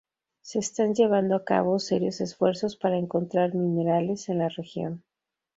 Se están llevando a cabo serios esfuerzos para encontrar minerales en la región.